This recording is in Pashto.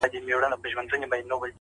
زنګ وهلی د خوشال د توري شرنګ یم ـ